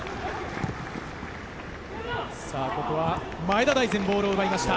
前田大然、ボールを奪いました。